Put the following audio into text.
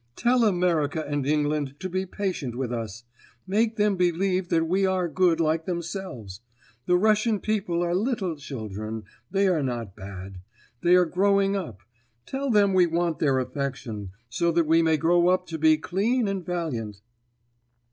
"Tell America and England to be patient with us. Make them believe that we are good like themselves. The Russian people are little children—they are not bad. They are growing up. Tell them we want their affection, so that we may grow up to be clean and valiant."